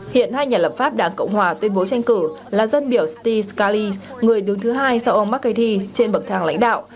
hiện hai nhà lập pháp đảng cộng hòa tuyên bố tranh cử là dân biểu steve scully người đứng thứ hai sau ông mccarthy trên bậc thang lãnh đạo